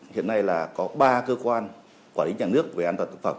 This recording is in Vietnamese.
hiện nay là có ba cơ quan quản lý nhà nước về an toàn thực phẩm